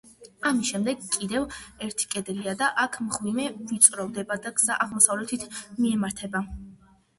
ამის შემდეგ კიდევ ერთი კედელია და აქ მღვიმე ვიწროვდება და გზა აღმოსავლეთით მიემართება.